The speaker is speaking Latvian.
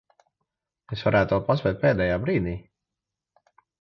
Es varētu vēl paspēt pēdējā brīdī.